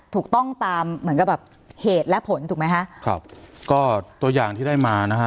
ถูกต้องตามเหมือนกับแบบเหตุและผลถูกไหมฮะครับก็ตัวอย่างที่ได้มานะฮะ